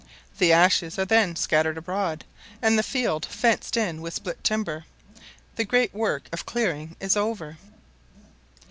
The ashes are then scattered abroad, and the field fenced in with split timber; the great work of clearing is over.